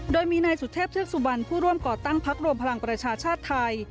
โดยมีนายสุเทพเทือกสุบันผู้ร่วมก่อตั้งพักรวมพลังประชาชาติไทย